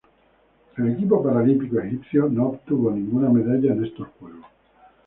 El equipo paralímpico egipcio no obtuvo ninguna medalla en estos Juegos.